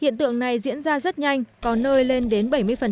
hiện tượng này diễn ra rất nhanh có nơi lên đến bảy mươi